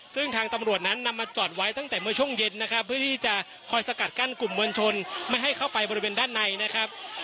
ซึ่งทางตำรวจนั้นนำมาจอดไว้ตั้งแต่เมื่อช่วงเย็นนะครับเพื่อที่จะคอยสกัดกั้นกลุ่มมวลชนไม่ให้เข้าไปบริเวณด้านในนะครับ